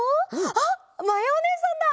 あっまやおねえさんだ！